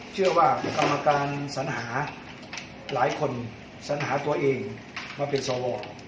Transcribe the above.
เชื่อว่ากรรมการสัญหาหลายคนสัญหาตัวเองมาเป็นสว